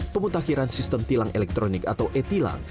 pemutakhiran sistem tilang elektronik atau e tilang